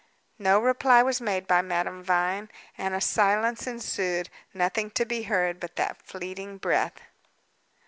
No reply was made by Madame Vine, and a silence ensued; nothing to be heard but that fleeting breath.